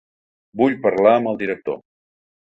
Vull parlar amb el director.